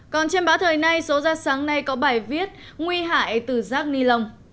còn trên bã thời này số ra sáng nay có bài viết nguy hại từ rác ni lông